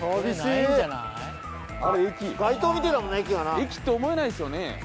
駅って思えないっすよね。